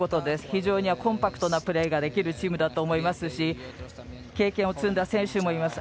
非常にコンパクトなプレーができるチームだと思いますし経験を積んだ選手もいます。